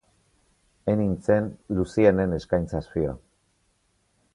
Ez nintzen Luzienen eskaintzaz fio.